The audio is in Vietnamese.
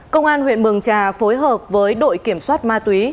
công an huyện mường trà phối hợp với đội kiểm soát ma túy